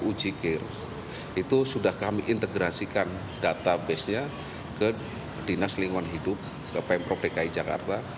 ujikir itu sudah kami integrasikan database nya ke dinas lingkungan hidup ke pemprov dki jakarta